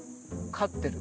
飼ってる？